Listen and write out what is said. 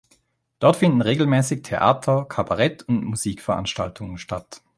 Dort finden regelmäßig Theater-, Kabarett- und Musikveranstaltungen statt.